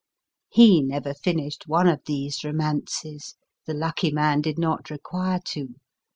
He never finished one of these romances ; the lucky man did not require to